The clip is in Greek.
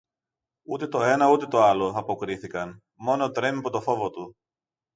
Ούτε το ένα ούτε το άλλο, αποκρίθηκαν, μόνο τρέμει από το φόβο του.